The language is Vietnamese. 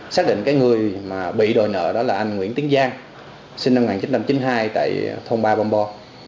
xác định người bị đòi nợ là anh nguyễn tiến giang sinh năm một nghìn chín trăm chín mươi hai tại thôn ba xã bông bò